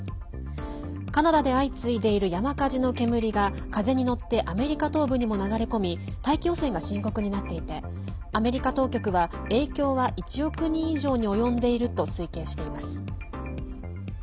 カナダで相次いでいる山火事の煙が風に乗ってアメリカ東部にも流れ込み大気汚染が深刻になっていてアメリカ当局は影響は１億人以上に及んでいると推計しています。